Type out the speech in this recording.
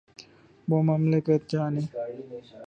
وہ مملکت جانے۔